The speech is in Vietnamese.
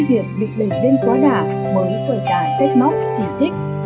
việc bị đẩy lên quá đả mới phải ra trách móc chỉ trích